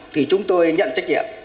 thì chúng tôi nhận trách nhiệm